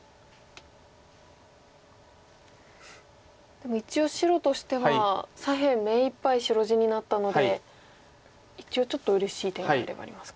でも一応白としては左辺めいっぱい白地になったので一応ちょっとうれしい展開ではありますか。